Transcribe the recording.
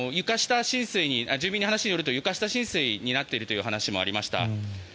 住民の話によると床下浸水になっているという話もありました。